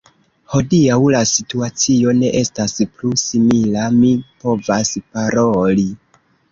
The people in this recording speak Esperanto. Hodiaŭ la situacio ne estas plu simila: mi povas paroli.